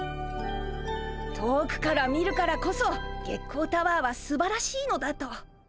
遠くから見るからこそ月光タワーはすばらしいのだと。